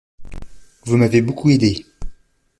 Vous m’avez beaucoup aidé.